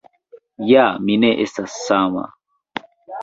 Ja mi ne estas sama.